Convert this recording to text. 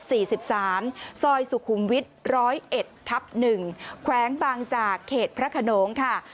ซอยสุขุมวิส๑๐๑คว้างบังจากเขตพระขนมค่ะ